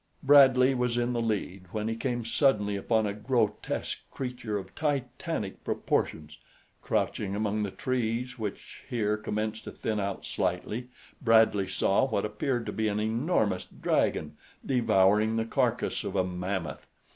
Bradley was in the lead when he came suddenly upon a grotesque creature of Titanic proportions. Crouching among the trees, which here commenced to thin out slightly, Bradley saw what appeared to be an enormous dragon devouring the carcass of a mammoth.